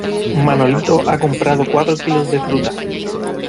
Manolito ha comprado cuatro kilos de fruta.